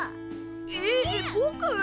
えっぼく！？